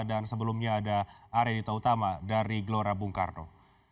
dan sebelumnya ada arie ditoutama dari glora bung karno